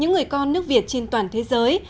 những người con nước việt trên toàn thế giới